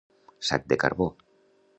Sac de carbó.